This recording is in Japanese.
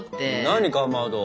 何かまど！